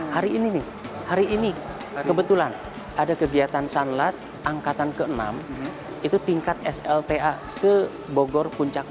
hari ini hari ini kebetulan ada kegiatan sanlat angkatan keenam itu tingkat slta se bogor puncak